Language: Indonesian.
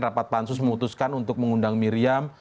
rapat pansus memutuskan untuk mengundang miriam